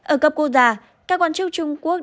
ở cấp quốc gia các quan chức trung quốc